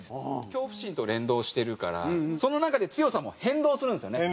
恐怖心と連動してるからその中で強さも変動するんですよね。